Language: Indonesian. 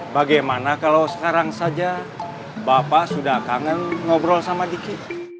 bagaimana kalau sekarang saja bapak sudah kangen ngobrol sama diki